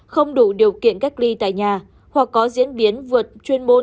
không đủ điều kiện cách ly tại nhà hoặc có diễn biến vượt chuyên môn của y tế địa phương